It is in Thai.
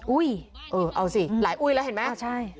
อุ๊ยเออเอาสิหลายอุ๊ยแล้วเห็นไหมอ่ะใช่